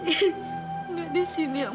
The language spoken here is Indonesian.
enggak disini ya mas